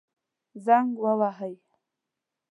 زنګ ووهئ